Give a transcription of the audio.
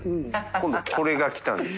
今度これが来たんです。